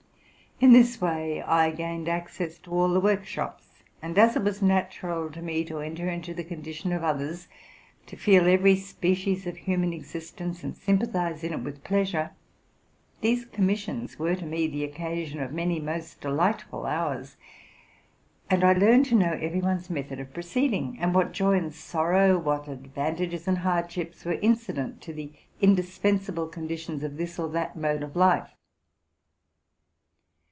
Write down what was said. In this way, I gained access to all the workshops: and as it was natural to me to enter into tie condition of others, to feel every species of human existence, and sympathize in it with pleasure, these commissions were to me the occasion of many most delightful hours; and I learned to know every one's method of proceeding, and what joy and sorrow, what advantages and hardships, were incident to the indispensable conditions of this or that mode of life.